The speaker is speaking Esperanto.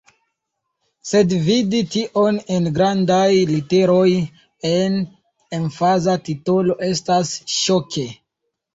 Sed vidi tion en grandaj literoj, en emfaza titolo estas ŝoke.